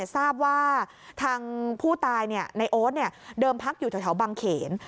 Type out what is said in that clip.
ทราบว่าทางผู้ตายในโอ๊ตเดิมพักอยู่แถวบางเขน